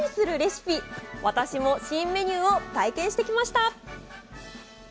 私も新メニューを体験してきました。